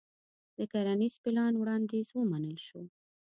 د کرنيز پلان وړانديز ومنل شو.